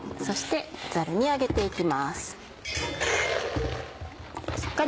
そしてザルに上げて行きます。